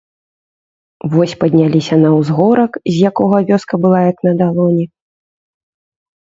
Вось падняліся на ўзгорак, з якога вёска была як на далоні.